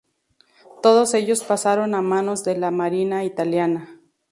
Todos ellos pasaron a manos de la marina italiana.